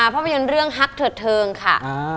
ภาพยนตร์เรื่องฮักเถิดเทิงค่ะ